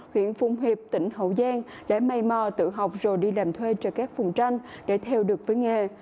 huyện phung hiệp tỉnh hậu giang đã may mò tự học rồi đi làm thuê cho các phùng tranh để theo được với nghề